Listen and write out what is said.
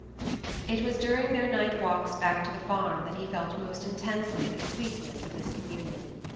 It was during their night walks back to the farm that he felt most intensely the sweetness of this communion.